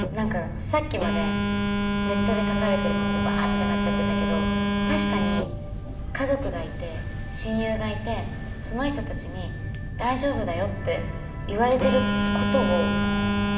さっきまでネットで書かれてることでわってなっちゃってたけど確かに家族がいて親友がいてその人たちに「大丈夫だよ」って言われてることを忘れてましたね。